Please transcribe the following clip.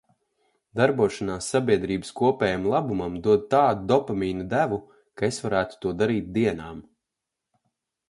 Darbošanās sabiedrības kopējam labumam dod tādu dopamīna devu, ka es varētu to darīt dienām.